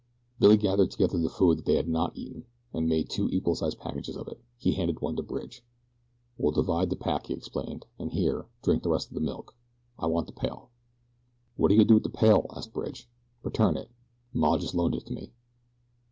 Billy gathered together the food they had not yet eaten, and made two equal sized packages of it. He handed one to Bridge. "We'll divide the pack," he explained, "and here, drink the rest o' this milk, I want the pail." "What are you going to do with the pail?" asked Bridge. "Return it," said Billy. "'Maw' just loaned it to me."